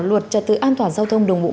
luật trật tự an toàn giao thông đồng vụ